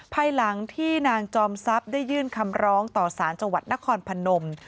ภายหลังที่นางจอมทรัพย์ได้ยื่นคำร้องต่อสารจังหวัดนครพนม